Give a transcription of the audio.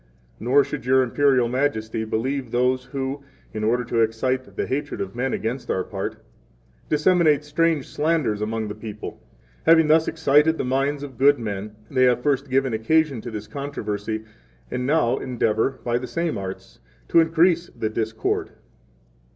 11 Nor should Your Imperial Majesty believe those who, in order to excite the hatred of men against our part, disseminate strange slanders among the people. 12 Having thus excited the minds of good men, they have first given occasion to this controversy, and now endeavor, by the same arts, to increase the discord.